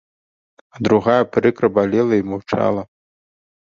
А другая прыкра балела і маўчала.